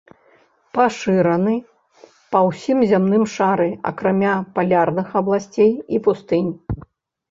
Пашыраны па ўсім зямным шары акрамя палярных абласцей і пустынь.